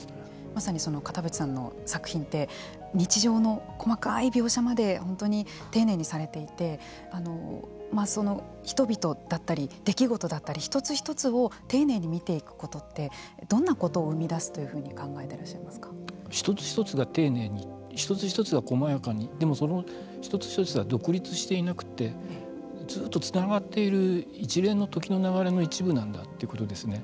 まさに片渕さんの作品って日常の細かい描写まで本当に丁寧にされていて人々だったり出来事だったりを一つ一つを丁寧に見ていくことってどんなことを生み出すというふうに一つ一つが丁寧に一つ一つが細やかにでも、その一つ一つが独立していなくてずうっとつながっている一連の時の流れの一部なんだということですね。